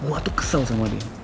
wah tuh kesel sama dia